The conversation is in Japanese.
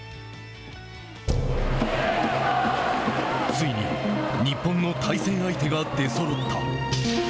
ついに、日本の対戦相手が出そろった。